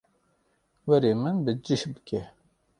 Were min bi cih bike.